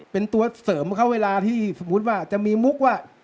เป็นตัวเสริมเขาเวลาที่สมมุติว่าจะมีมุกว่า